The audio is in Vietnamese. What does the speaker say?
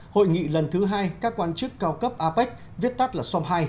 hội nghị lần thứ hai các quan chức cao cấp apec viết tắt là som hai